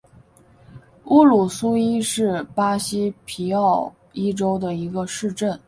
乌鲁苏伊是巴西皮奥伊州的一个市镇。